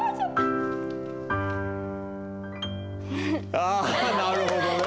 あなるほどね！